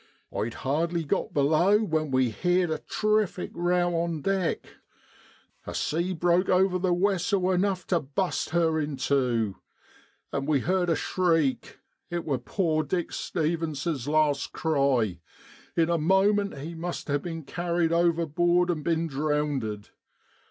I'd hardly got below when we heerd a terrific ' row ' on deck ; a sea broke over the wessel enough to bust her in tew. An' we heerd a shriek. It w r or poor Dick Stevens's last cry; in a moment he must ha' bin carried overboard an' bin drownded.